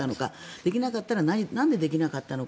できなかったならなんでできなかったのか。